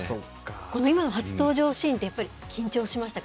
このいまの初登場シーンって、やっぱり緊張しましたか？